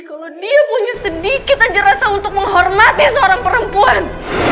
kalau dia punya sedikit aja rasa untuk menghormati seorang perempuan